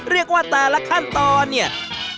เรียกว่าแต่ละขั้นตอนเนี่ย